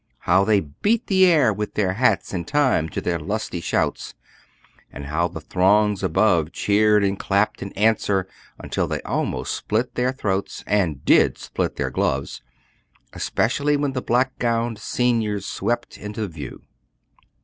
How they beat the air with their hats in time to their lusty shouts! And how the throngs above cheered and clapped in answer, until they almost split their throats and did split their gloves especially when the black gowned seniors swept into view.